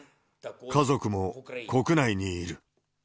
家族も国内にいる。